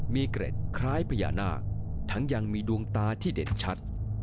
มีเกร็ดคล้ายพญานาคทั้งยังมีดวงตาที่เด่นชัด